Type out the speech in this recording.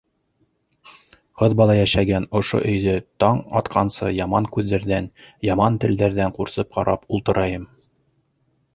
Ҡыҙ бала йәшәгән ошо өйҙө таң атҡансы яман күҙҙәрҙән, яман телдәрҙән ҡурсып ҡарап ултырайым...